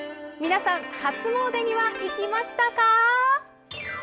皆さん、初詣には行きましたか？